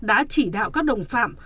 đã chỉ đạo các đồng phạm